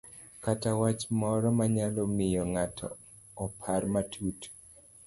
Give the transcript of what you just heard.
kata wach moro manyalo miyo ng'ato opar matut.